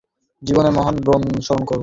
তোমাদের জীবনের মহান ব্রত স্মরণ কর।